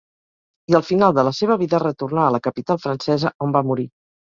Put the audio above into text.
I al final de la seva vida retornar a la capital francesa on va morir.